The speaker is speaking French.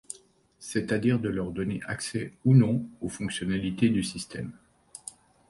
C'est-à-dire de leur donner accès ou non aux fonctionnalités du système.